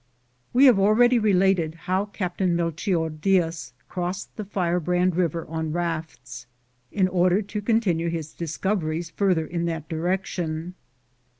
We have already related how Captain Melchior Diaz crossed the Firebrand river on rafts, in order to continue his discoveries farther in that direction.